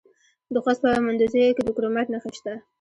د خوست په مندوزیو کې د کرومایټ نښې شته.